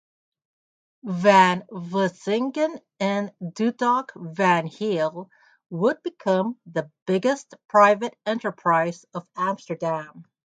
Van Vlissingen en Dudok van Heel would become the biggest private enterprise of Amsterdam.